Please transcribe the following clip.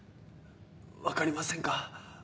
分かりませんか？